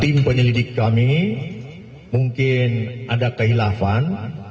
tim penyelidik kami mungkin ada kehilafan